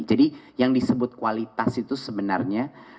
jadi yang disebut kualitas itu sebenarnya